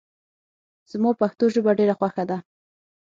زما پښتو ژبه ډېره خوښه ده